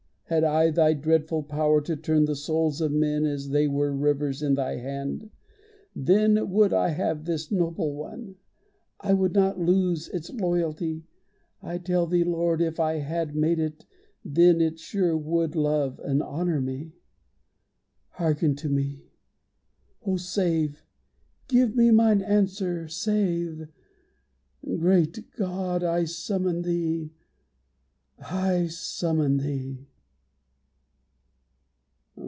Had I Thy dreadful power to turn the souls Of men as they were rivers in Thy hand, Then would I have this noble one. I would Not lose its loyalty. I tell Thee, Lord, If I had made it, then it sure should love And honor me. Hearken to me! Oh, save! Give me mine answer! Save! Great God, I summon Thee! I summon Thee!